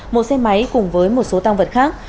một xe máy cùng với một số tăng vật khác